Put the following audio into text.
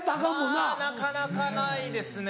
なかなかないですね。